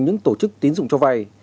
những tổ chức tín dụng cho vay